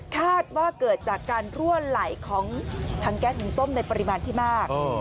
คาดว่าเกิดจากการรั่วไหลของถังแก๊สหุงต้มในปริมาณที่มาก